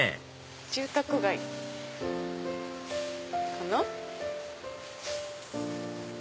住宅街かな。